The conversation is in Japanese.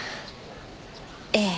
ええ。